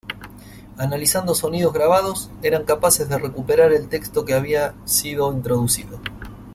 Analizando sonidos grabados, eran capaces de recuperar el texto que había sido introducido.